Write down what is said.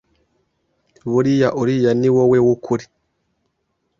buriya uriya ni wowe w’ukuri